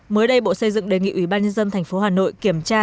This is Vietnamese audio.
mới đây bộ xây dựng đề nghị ủy ban nhân dân tp hà nội kiểm tra